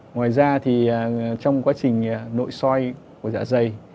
ngoài ra trong quá trình nội soi dạo dày